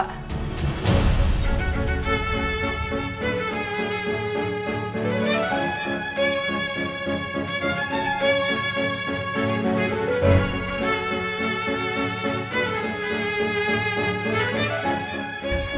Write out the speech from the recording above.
kita sampai ya bu